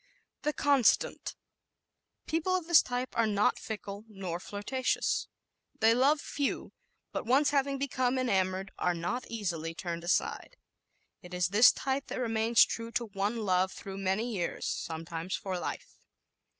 The Constant ¶ People of this type are not fickle nor flirtatious. They love few; but once having become enamored are not easily turned aside. It is this type that remains true to one love through many years, sometimes for life.